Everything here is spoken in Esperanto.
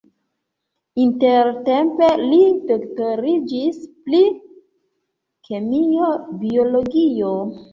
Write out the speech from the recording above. Intertempe li doktoriĝis pri kemio-biologio.